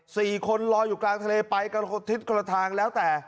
สี่คนลอยอยู่กลางทะเลไปกันคนทิศคนละทางแล้วแต่